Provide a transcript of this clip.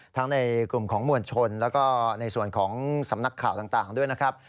ในกลุ่มของมวลชนแล้วก็ในส่วนของสำนักข่าวต่างด้วยนะครับ